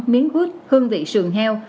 miếng hút hương vị sườn heo